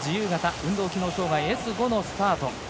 運動機能障がいＳ５のスタート。